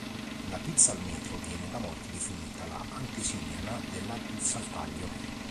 La pizza al metro viene da molti definita la antesignana della pizza al taglio.